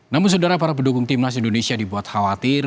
namun saudara para pendukung timnas indonesia dibuat khawatir